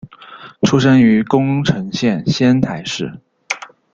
出身于宫城县仙台市。